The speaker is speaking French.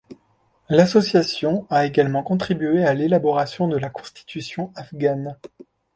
L'association a également contribué à l'élaboration de la constitution afghane.